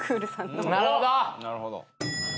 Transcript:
なるほど！